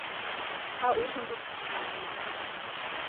Та үр хөндүүлэх гэж байгаа юм уу?